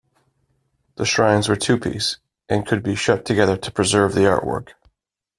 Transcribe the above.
The shrines were two-piece, and could be shut together to preserve the artwork.